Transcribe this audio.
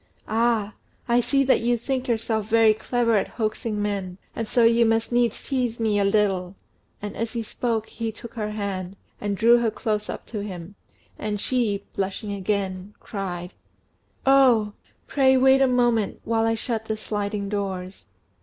"Ah! I see that you think yourself very clever at hoaxing men, and so you must needs tease me a little;" and, as he spoke, he took her hand, and drew her close up to him, and she, blushing again, cried "Oh! pray wait a moment, while I shut the sliding doors."